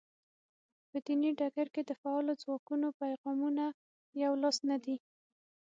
په دیني ډګر کې د فعالو ځواکونو پیغامونه یو لاس نه دي.